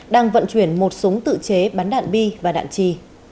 đang vận chuyển một súng tự chế bắn đạn bi và đạn trì